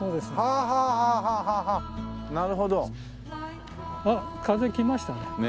あっ風来ましたね。